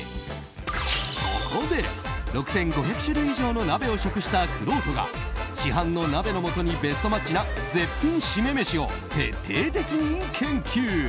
そこで６５００種類以上の鍋を食したくろうとが市販の鍋の素にベストマッチな絶品シメメシを徹底的に研究。